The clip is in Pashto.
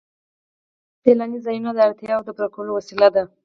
سیلاني ځایونه د اړتیاوو د پوره کولو وسیله ده.